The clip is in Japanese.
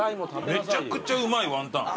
めちゃくちゃうまいワンタン。